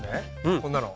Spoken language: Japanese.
こんなの。